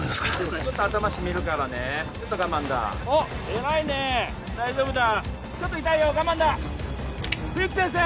ちょっと頭しみるからねちょっと我慢だおっ偉いね大丈夫だちょっと痛いよ我慢だ冬木先生